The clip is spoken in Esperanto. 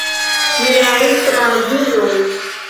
Niaj praavinoj.